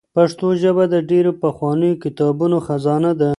پښتو ژبه د ډېرو پخوانیو کتابونو خزانه ده.